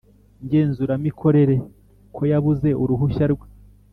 Ngenzuramikorere ko yabuze uruhushya rwe